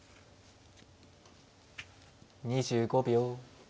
２５秒。